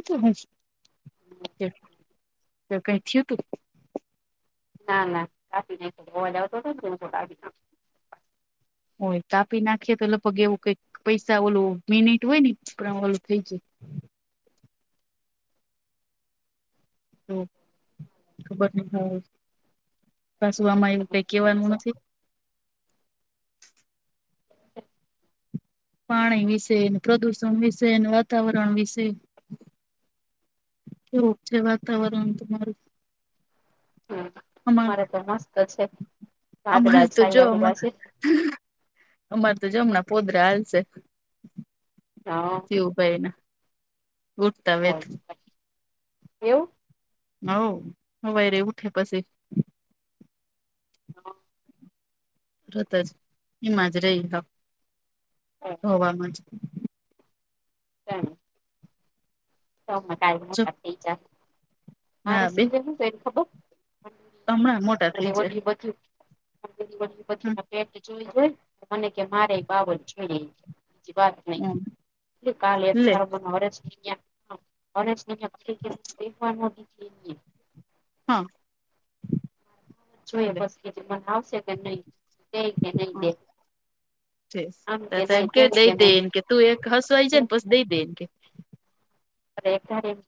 કઈ થયું તું? ના ના કાપી નાખ્યો. અવાજ તો તોને તો હું કવ કાપી નાખું. હોય કાપી નાખીએ તો લગભગ એવું કંઇક? પૈસા ઓલું મિનિટ હોય ને એ પણ ઓલું થઇ જાય. તો ખબર નથી. પાછું આમાં એવું કંઈ કેવાનું નાખો. નથી? પાણી વિશે, પ્રદુષણ વિશે, ને વાતાવરણ વિશે. કેવુંક છે? વાતાવરણ તમારું? હ મ અમાર અમારે તો મસ્ત છે. વાદળા છાયા હુવા છે. હંઅ અમારે તો જો હમણા પોદરા હાલશે. હા અ. તો ભાઈને ઉઠતા વેત. એવું. હવ સવારે ઉઠે પછી. હ. તરત જ એમાં જ રહીએ. હવામાં જ. તા. હમણા જો મોટા થઈને મા હા બે સિવે તો ખબર હમણાં મોટા થઈ અને જાય ઓલી બધીયુ. પછી જોઈ. મને કે મારે ય બાાવળ જડે. બીજી વાત નહીં કાલે હ લે અમે હરખ થી ગયા. સરસ થઈ ગયા. એક વાર માં થય ગયા. હા અ. જોઈએ બસ કે જે મને આવશે કે નહીં. દે કે નહી હા દે. છે આમ કે તો નઈ. એમ તેમ દઈ કે દે નઈ. એમ કે તું એક સચવાઈ જાય ને પછી, દઈ દે એને કે. એને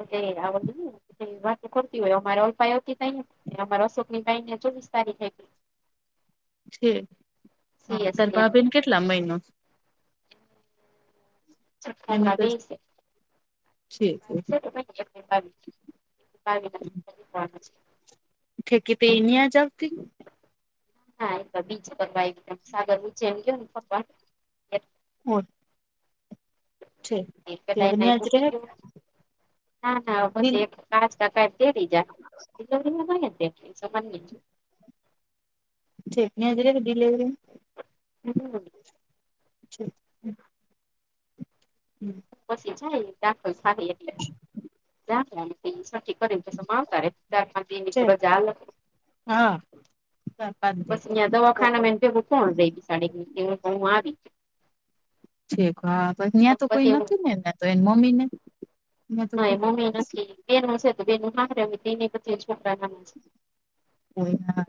કઈ આવડતું નય. એમ વાતુ કરતી હોય અમારે અલ્પા ઈ આવતી તયે. અમારે અશોકની બાઈ ને ચોવીસ તારીખે. છે. સીએસ તારા ની એની ભાભી ને. કેટલા મો મહિનો છે? ચકા માં બે છે. છે બાવીસ બાવી બાવ ના કેતી તી અહીંયા જોબ હતી. હા બીજ પર સાગર નીચે એમ ગયો ને પવા હોર. એ પેલા હવે એને અહીં ન્યાં જ મુકી રહે ગયો? ના ના બસ ડીલ એક. કાકા કેદી જાય? ડિલેવરી નું કરે છે? પછી અહીંયા જ રેને ડિલેવરી માં. હમ. [unintelligible] હમ પછી જાય દાખલ થાય એટલે જખલા ઈન સઠી [unintelligible] આવતા રેશે ચાર પાંચ દી ની છે રજા આલે હા. હા પા બસ અયા દવાખાનામાં કોણ દઈ હું આવી ઠીક હા ત્યાં તો કોઈ પછી હું નથી ને એમને તો એ મમ્મી નેં તો કોઈ નથી. બેનું હશે તો બેનું હાહરે [unintelligible] છોકરા ને કોમાં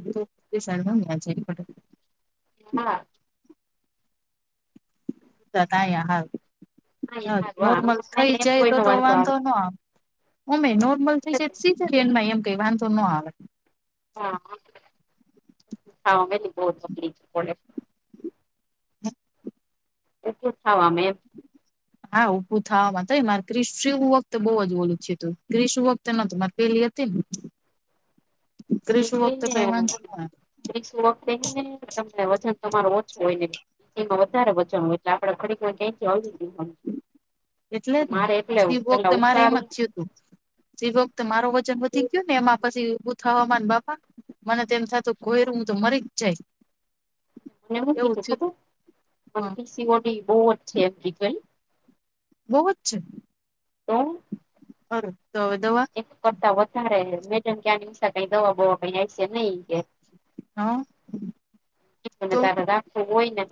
છે [unintelligible] પદે હા. તા તા યા હા. હા હારું નોર્મલ અમારે થઈ એમ જાય તો કોઈનો તો વાંધો નો આવે. ઉમે નોર્મલ થઈ જાય સીધા રેનમાં એમ કઈ વાંધો નો આવે. હા હા મે હું તકલીફ પડે. હ ઉભુ થવામાં એમ. હા ઊભું થવામાં તો મારે ક્રિસ વખતે બહુ જ ઓલું જ છે તું ક્રિષ વખતે નતું મા પેલી ક્રિસુ વક્ત તો એ વાધો ન આયો. ત્રીસું વખતે ને ત વજન તમારો ઓછું હોય ને તેમાં વધારે બચા એટ આપે ખડી ક્યાથી આવ દવા એટલે જ ને શિવભોગ પેલા મારે એમ જ ઉતારું થયું તું જે વક્ત મારો વજન વધી ગયો ને એમાં પછી ઊભું થવામા ને બાપા મને તેમ સાથે કોયર હું તો મરી જ જય. મે હું કીધુ ખબર હે કૃષિ બોડી બહુજ છે બવુ જ છે. તો અરે તો હવે દવા કરતા વધારે મેડમ ક્યાં કઈ દવા બવા કઈ આવીશે નહી કે હા. ને તારા રાખવો હોય ને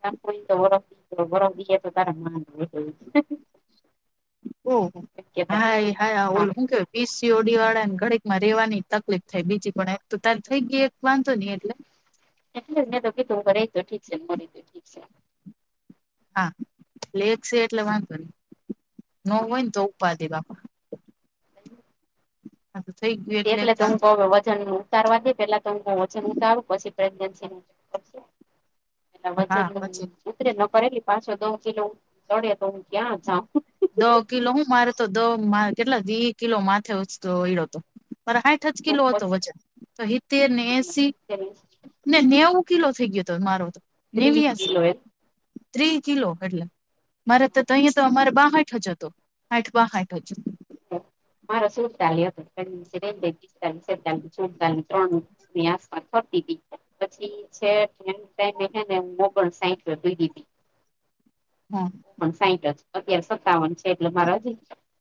તા કોઈ તો બરફ બરફ બીજા તારામાં [unintelligible] ઓહ હાય હાય ઓલ હા હમ્મ કર પીસી ઓડી વાળા ને ઘડીકમાં રેવાની તકલીફ થાય બીજી પણ એક તો તાર થઈ ગઈ એક વાંધો નહી એટલે એટલે જ મેં તો કીધું હ રહીતો ઠીક છેને મળી દું ઠીક છે. હા લે છે એટલે વાંધો નહી. ન હોય ને તો ઉપા દે બાપા હ આ તો થઈ ગયું એટલે એક તો હું વાંધો નહી કહું વજન નું તાર વડે પેલા તો વજન ઉતારું પછી પ્રેગ એના વચન હા તો પછી ઉતરે નકર એટલી પાછો દવ કીલો ચડે તો હું ક્યાં જાઉ. દ કિલો હું મારે તો દ મા કેટલા વી કિલો માથે ઊંચક્યો હોડીઓ તો પર હાઈઠ અઠ જ કિલો હતો વજન તો હીતેર ને એસી. ને નેવું કિલો થઈ ગયો હતો મારો તો ત્રીસ નેવ્યાસી કિલો એ ત્રી કિલો એટલે મારે તો તો અહીંયા તો અમારે બાહઠ ઠજતો હાઠ બા ખાઠજો મારા સુરતાલી હતું [unintelligible] છેતાલી સુદતળી ત્રણ એની આસપાસ ફરતી તી. પછી છેટ એન ટાઈમે હે ને મોકલ સાઈઠે દીધીતી. હા પણ સાઈઠ જ અત્યારે સત્તાવન છે એટલે મારે હજી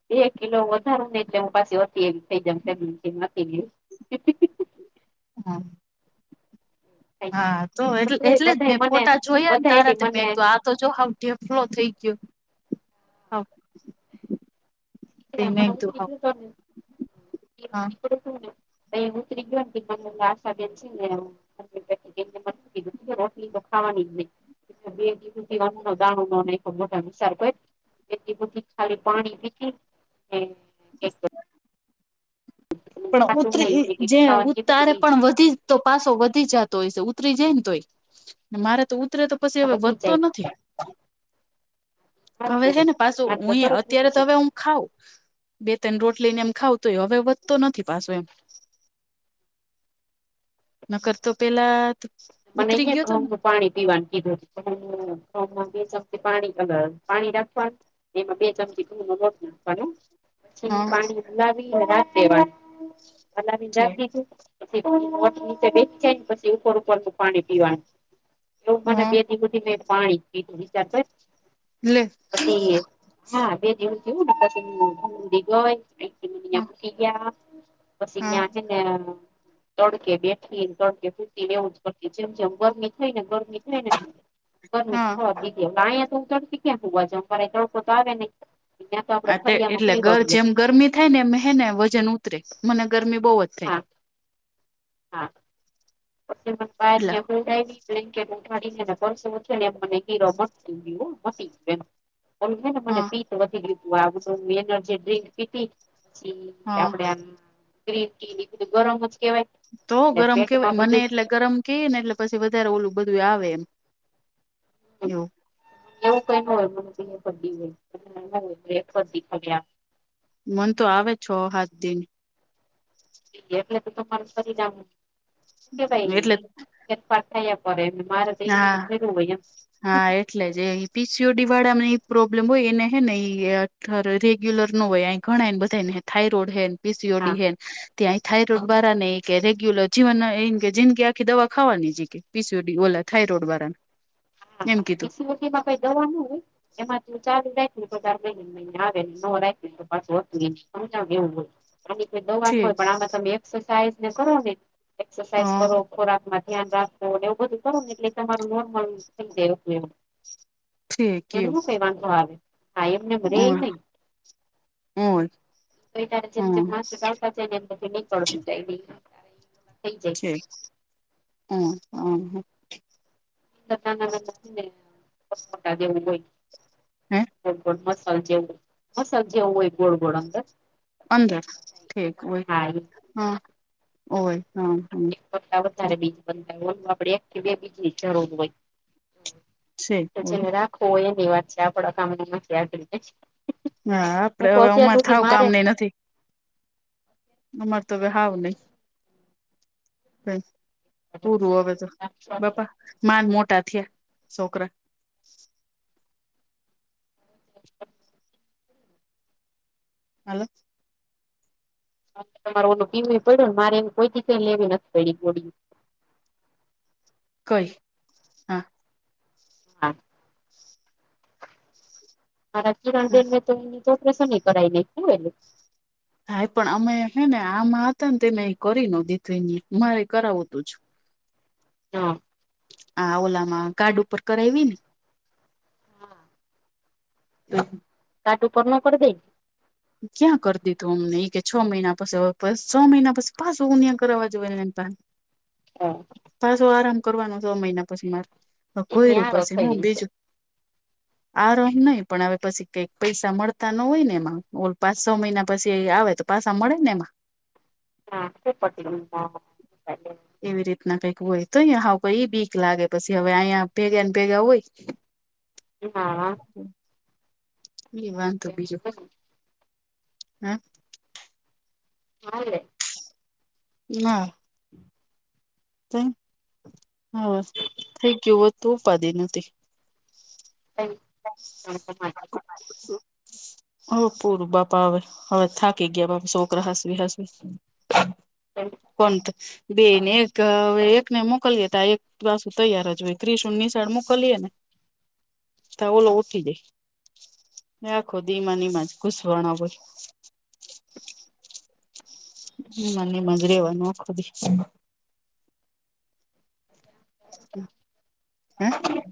બે કિલો હું વધારુંને એટલે હું પાછી હતી એવી જ થઇ જાઉં [inaudible] હતી ને એવી. હા હા તો એટલે તોય એટલે જ બધા મેં મને ફોટા જોયાન બધા તારા એલી તો મેં મને કીધું આ તો જો હાવ ઢેફ્લો થઈ ગયો હા. [unintelligible] [inaudible] હા એ ઉતરી ગયોને તે મને આશાબેન છેને [inaudible] [inaudible] કેમ કે મને હું કીધું તું કે રોટલી તો ખાવાની જ નહી. બે દી હુધી અન્નનો દાણો નો નાખ્યો મોઢામાં વિસાર કર. એક દી હુધી ખાલી પાણી પીકી ને એક પણ ખાટું નહી ઉતરી ને કઈક જે ખાવાનું કીધું ઉતારે ઈ જ પણ વધી તો પાસો વધી જાતો હશે ઉતરી જાય ને તોય ને મારે તો ઉત્ત ઉતરે તો પસી હવે વધી વધતો જાય નથી. હારું હવે હે કેવાય ને પાસો માર તો હું એ તરત અત્યારે વધી તો જાય હવે હું ખાઉં બે ત્રણ રોટલીને એમ ખાઉં તોય હવે વધ તો નથી પાસો એમ. નકર તો પેલા ઉતરી ગયો તો ને [inaudible] પાણી પીવાનું કીધું છે [inaudible] પાણી કલર અ પાણી રાખવાનું. એમાં બે ચમચી ગુનો બોટલ નાખવાનો. પછી હા પાણી હુલાવીને રાખ દેવાય હલાવીને રાખ દીધું. પછી પોત નીચે બેસ જાય ને પછી ઉપર ઉપરથી પાણી પીવાનું. એવું મને હા બે દી હુધી મેં પાણી જ પીધું વિચાર કર. લે પછી હા બે દિવસ જેવું થયું ને પછી [inaudible] ઈ મને ઇયા હા મૂકી ગયા પસી હા ન્યા હે ને નયા તડકે બેઠીને, તડકે હુતીને એવું જ કરતી જેમ જેમ ગરમી થાય ને ગર ગરમી થાય ને ગરમી જ હા થાવા દીધી હવે અહીંયા તો હું તડકે ક્યાં હુવા જાઉં બારે તડકો તો આવે નહી. આ તે એટલે ગર જેમ ગરમી થાય ને એમ હે ને વજન ઉતરે મને ગરમી બહુ જ થાય. હા હા પસી મને બહાર એટલે ઈયા હુવડાયવી. બ્લેન્કેટ ઓઢાડીને ને પરસેવો થયો ને એમાં મને ગીરો મટી ગયું હો મટી ગી એમ. ઓલું હે ને મને હા પીત વધી ગયું તું આ ઓલુ એનર્જી ડ્રીંક પીતી. પછી હા આપડે આમ ગ્રીન ટીને ઈ બધું ગરમ જ કેવાય. તો એટલે ગરમ કેવાય પેટમાં મને બધું એટલે ગરમ કે ને એટલે પછી વધારે ઓલું બધું આવે એમ. હમ એવું એવું કાંઈ ન હોય મને [inaudible] મન તો આવે જ છ હાત દી. એટલે તો તમારું શરીર આમ હું કેવાય એટલે એક પાત્ર એ પડે એમ. મારે તો ઈ ની હા ભર્યું હોય એમ હા એટલે જ એઈ પીસીઓડી વાળામાં ઈ પ્રોબ્લેમ હોય એને હેને ઈ અ ધર રેગ્યુલર ન હોય આઈ ઘણાને બધા ને થાયરોઈડ હેન હા પીસીઓડી હેન ત્યાં થાઈરોઈડ બારાને ઈ કે રેગ્યુલર જીવન એન કે જીંદગી આખી દવા ખાવાની જ ઈ કે પીસીઓડી ઓલા થાઇરોડ વારાને એમ હા કીધું. પીસીઓડીમાં કાંઈ દવા ન હોય એમાંથી ચાલ જાય ને તો ચાર [inaudible] [unintelligible] આની કોઈ દવા ન છે હોય પણ આમાં તમે એક્સરસાઇઝ ને કરો ને એક્સરસાઇઝ હ કરો, ખોરાકમાં ધ્યાન રાખો ને એવું બધું કરો ને એટલે તમારું નોર્મલ થઈ જાય હતું એવું. એમ ઠેકયું ન કોઈ વાંધો આવે. હા એમને મળે ઊ નહી ઊ ત જેમ જેમ ઊ મથી ને નિકળતું [unintelligible] હમ હમ. નથી નેટા જેવું હોય. હે મસાલા જેવ મસાલા જેવુંઈ ગોડ ગોડ અંદર અંદર ઠીક હોય હા હા ઓય હા હ. એક કરતા વધારે બીજ બનતા હોય આપે એક કે બે બીજ ની જરૂર હોય ઠેક તો ઓય જેને રાખો હોય એની વાત છે આપ કામણી માંથી આને હા આપડે હવે અમાર થાવ કામ નઈ નથી. અમાર તો હાવ નહી તે પૂરું હવે તો બાપા માંન મોટા થયા છોકરા હલો તમારો ઓ પીમ પડ્યોને મારે એ કોઈ દી લેવી નથી પડી ગોળી. કઈ. હા હા. મારા કિરણ બેન તો એ ઓપરેશન કરી નલે. હા એ પણ અમે હે ને આમાં હતા ને તમે કરી ન દીધું હરે કરાવતું જ હા. આ ઓલામાં ગાર્ડ ઉપર કરાવી ને હમ. કાટ ઉપર ન કરી દઈ. ક્યાં કરી દીધું અમને એ કે છ મહિના પછી છ મહિના પછી પાછુંયાં કરાવવા જોએ પાન [inaudible] હા. પાછો આરામ કરવાનું છ મહિના પછી મારે એને કોોયર્યું હારો પછ થઈ હું હશે. બીજું. આ રમ નહી પણ હવે પછી કઈક પૈસા મળતા ન હોય ને એમાં. ઓલ પાંચ છ મહિના પછી આવે તો પાસા મળે ને એમાં. હા સપટે હ. એવી રીતના કઈક હોય તો અહીયા હ કઈ બીક લાગે પછી હવે અહીંયા ભેગા ને ભેગા હોય. હા. એ વાંધ બીજું હા. હાલે. ના. હા થઈ ગયું હોતું પાદી નથી. થઈ. હમ. ઓ ભૂર બાપા હવે હવે થાકી ગયા પાપા સોકર હસવી હસવી. એમ. પણ બેને એક એકને મોકલી તા એક. પાસું તૈયાર જ હોય ત્રિશુણ ની સાાડ મોકલીએ ને. ત ઓલો ઉઠી દે આખો દીમા નિમા જ ઘુસવાણા હોય. હમ મને મજરે એવા નોકદી. હે. [unintelligible]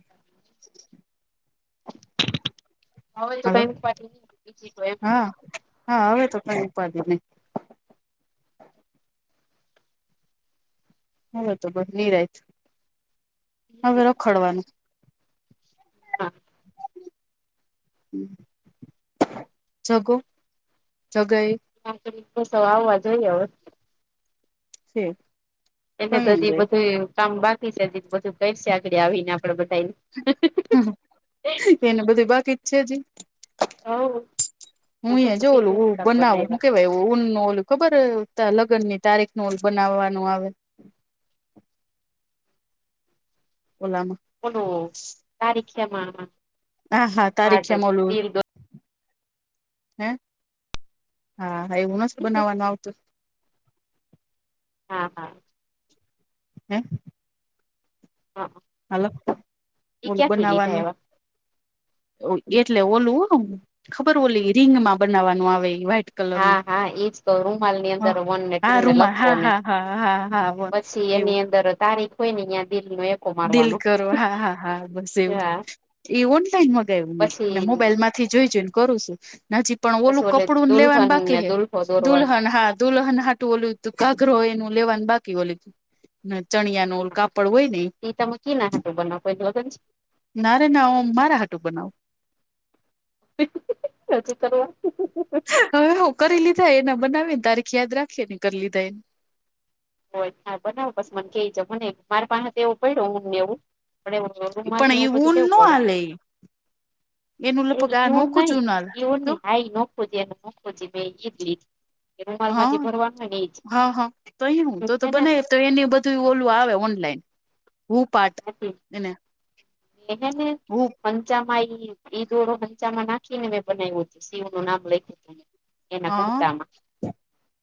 હ તો હલો કઈ પન. હા હા હવે તો કઈ ઉપાધિ નહીં. હવે તો બસ નિરાઈત હવે રખડવાનું. હા. જગો જગા એ. નાર સ આવવા જોઈએવે. છે. એમને તો કઈ હજીય જાય બધુંય કામ બાકી છે હજી તો પાછું [unintelligible] છે આગળ આવીને આપડે બધાયને. એનુ બધુંય બાકી જ છે હજીય? હવ હુંય હજુ જો ઓલું બનાઉ હું બનાવ્યા કેવાય? ઊનનો ઓલુ ખબર અ લગનની તારીખનો ઓલુ બનાવવાનું આવે. ઓલામાં. ઓલુ તારીખ છે અમારમા. હા હા તારીખ છે એમાં ઓલું હે હા. હા એવું મસ્ત બનાવાનું આવતું. હા હા. હે? હા હ. હાલો ઓલું બનાવાનું. એવા એટલે ઓલું અ ખબર ઓલી રિંગમાં બનાવાનું આવે વ્હાઈટ. કલરનું હા હા એજ તો રૂમાલ ની અંદર વન ને હા ટુ રૂમમાં હા હા હા હા હા. સી એવું એની અંદર તારીખ હોયને યા બિલનો એક. દિલ કરો હા હા હા બસ એવું હા એ વન ટાઈમ મંગાવ્યું મેં ને પછી મોબાઈલમાં થી જોઈ જોઈને કરું શું હજી પણ પછી ઓલું ઓલે કપડુંને લેવાનું દુલ્હન બાકી ને હે દુલ્હો દોરવાનો દુલ્હન હા. દુલ્હન હાટું ઓલું તું ઘાઘરો એનું લેવાનું બાકી ઓલીન ચણિયા ઉલકા પડવોયની. કેના હાટું બનાવું હે કોઈક લગન છે? નારે ના મારા હાટું બનાવ હજી કરવા હવે હું કરી લીધા એને બનાવીન તારીખ યાદ રાખીએ કરી લીધા એન હો હાર બનાવ પસી મને કઈ જાવ મનેય મારે પાહે તો એવો પડ્યો હુંમને એવું. આપડે જો રૂમાલને પણ એ એવું બધું ઊન ન લેવું પડે. હાલે એનું એ લગભગ આ એવું નોખું જ નહીં ઊન હાલે એવું તો નહીં. હા એ નખો છે મોખુ છે ઈ જ રૂમાલમાં જે ભરવાનું હોયને ઈજ. હ હ તો એય હું તો તો બનાવી તો એને બધુંય ઓલું આવે ઓનલાઈન. હૂપાટ મેં એને હેને હૂ હંચામાં ઈ દોડો હંચામાં નાખીને મેં બનાયવુતુ હતું શિવનું નામ લખ્યું તું. એના હા કર્તામાં.